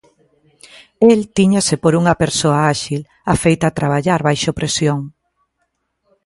El tíñase por unha persoa áxil, afeita a traballar baixo presión.